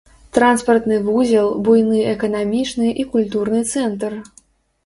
Транспартны вузел, буйны эканамічны і культурны цэнтр.